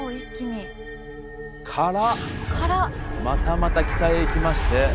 またまた北へ行きまして。